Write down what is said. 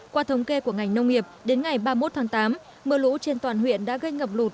qua thống kê của ngành nông nghiệp đến ngày ba mươi một tháng tám mưa lũ trên toàn huyện đã gây ngập lụt